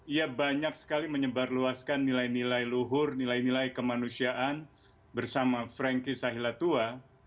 ia banyak sekali menyebarluaskan nilai nilai luhur nilai nilai kemanusiaan bersama frankie sahilatua